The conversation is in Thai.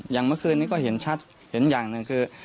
อย่างเมื่อคืนนี้ก็เห็นชัดเห็นอย่างหนึ่งคือ